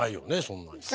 そんなに。